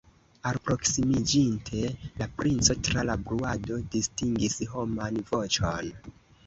Alproksimiĝinte, la princo tra la bruado distingis homan voĉon.